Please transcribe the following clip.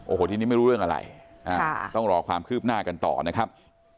โอ้โหทีนี้ไม่รู้เรื่องอะไรต้องรอความคืบหน้ากันต่อนะครับ